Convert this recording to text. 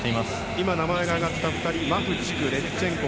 今名前が挙がった２人マフチフ、レフチェンコ